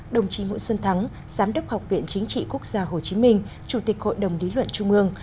đồng chí nguyễn xuân thắng giám đốc học viện chính trị quốc gia hồ chí minh chủ tịch hội đồng lý luận trung ương